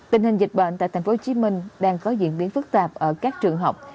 tình hình dịch bệnh tại tp hcm đang có diễn biến phức tạp ở các trường học